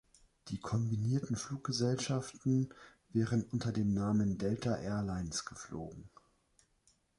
Die kombinierten Fluggesellschaften wären unter dem Namen Delta Air Lines geflogen.